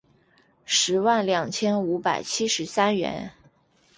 十万两千五百七十三元